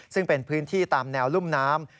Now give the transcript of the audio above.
ซึ่งเป็นพื้นที่ตามแนวรุ่มน้ำ